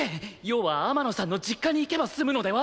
要は天野さんの実家に行けば済むのでは？